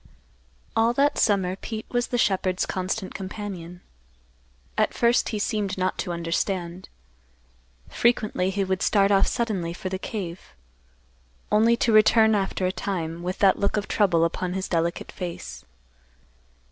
All that summer Pete was the shepherd's constant companion. At first he seemed not to understand. Frequently he would start off suddenly for the cave, only to return after a time, with that look of trouble upon his delicate face.